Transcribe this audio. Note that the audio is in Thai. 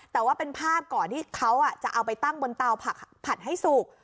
แต่ว่าเป็นภาพก่อนที่เขาจะเอาไปตั้งบนเตาผัดให้สุก